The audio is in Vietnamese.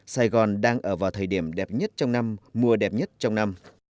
sài gòn đang ở vào thời điểm đẹp nhất trong năm mua đẹp nhất trong năm